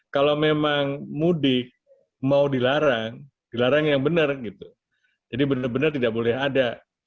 kalau memang mudik mau dilarang dilarang yang benar gitu jadi benar benar tidak boleh ada